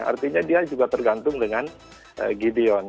artinya dia juga tergantung dengan gideon